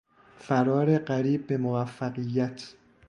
فرار قریب به موفقیت